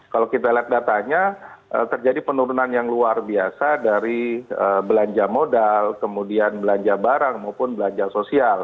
kalau kita lihat datanya terjadi penurunan yang luar biasa dari belanja modal kemudian belanja barang maupun belanja sosial